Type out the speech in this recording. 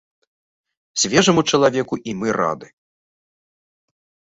Свежаму чалавеку і мы рады.